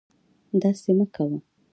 داسې مکوه